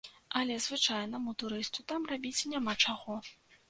Але звычайнаму турысту там рабіць няма чаго.